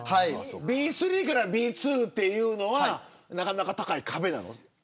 Ｂ３からＢ２というのはなかなか高い壁なの。